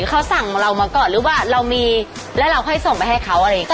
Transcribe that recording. เขาสั่งเรามาก่อนหรือว่าเรามีแล้วเราค่อยส่งไปให้เขาอะไรอย่างนี้